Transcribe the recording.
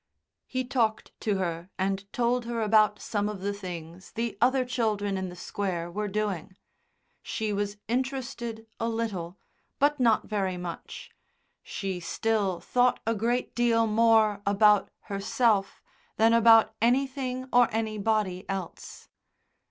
He talked to her and told her about some of the things the other children in the Square were doing. She was interested a little, but not very much; she still thought a great deal more about herself than about anything or anybody else.